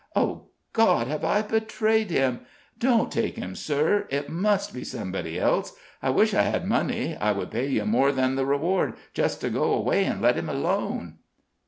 Oh, God, have I betrayed him? Don't take him, sir it must be somebody else. I wish I had money I would pay you more than the reward, just to go away and let him alone."